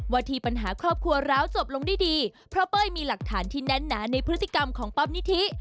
ที่ปัญหาครอบครัวร้าวจบลงได้ดีเพราะเป้ยมีหลักฐานที่แน่นหนาในพฤติกรรมของป๊อปนิธิ